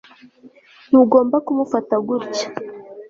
Ntugomba kumufata gutya